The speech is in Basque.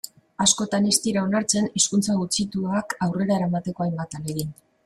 Askotan ez dira onartzen hizkuntza gutxiagotuak aurrera eramateko hainbat ahalegin.